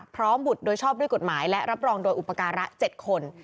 บุตรโดยชอบด้วยกฎหมายและรับรองโดยอุปการะ๗คน